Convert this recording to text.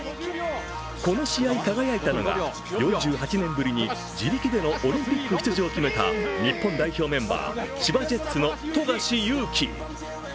この試合、輝いたのが４８年ぶりに自力でのオリンピック出場を決めた日本代表メンバー、千葉ジェッツの富樫勇樹。